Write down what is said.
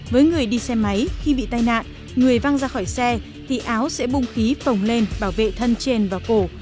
với người đi xe máy khi bị tai nạn người văng ra khỏi xe thì áo sẽ bung khí phồng lên bảo vệ thân trên và cổ